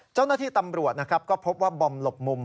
เจ้าหน้าที่ตำรวจนะครับก็พบว่าบอมหลบมุม